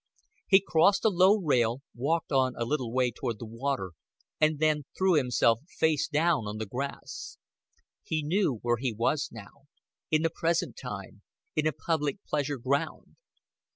He crossed a low rail, walked on a little way toward the water, and then threw himself face downward on the grass. He knew where he was now in the present time, in a public pleasure ground.